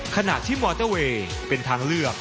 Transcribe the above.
ขณะที่มอเตอร์เวย์เป็นทางเลือก